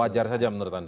wajar saja menurut anda